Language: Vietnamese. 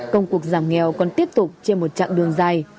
công cuộc giảm nghèo còn tiếp tục trên một chặng đường dài